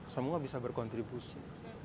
semua bisa berkontribusi